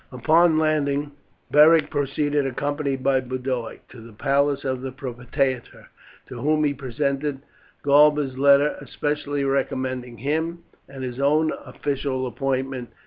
Upon landing Beric proceeded, accompanied by Boduoc, to the palace of the propraetor, to whom he presented Galba's letter especially recommending him, and his own official appointment.